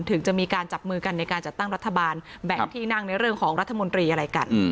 ถึงจะมีการจับมือกันในการจัดตั้งรัฐบาลแบ่งที่นั่งในเรื่องของรัฐมนตรีอะไรกัน